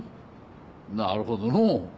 なるほどのう。